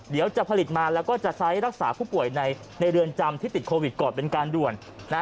เดี๋ยวจะผลิตมาแล้วก็จะใช้รักษาผู้ป่วยในเรือนจำที่ติดโควิดก่อนเป็นการด่วน